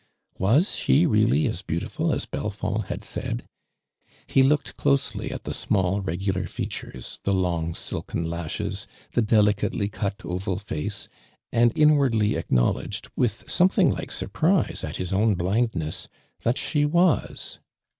Was she really as beautiful as Belfond had said ? He looked closely at the small, regular features — the long, silken lashes — the deli cately cut, oval face, and inwardly acknow ledgedj with something like surprise at his own bhndness, that she was.